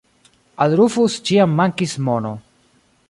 Al Rufus ĉiam mankis mono.